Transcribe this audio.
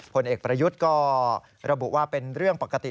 ผลเอกประยุทธ์ก็ระบุว่าเป็นเรื่องปกติ